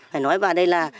phải nói vào đây là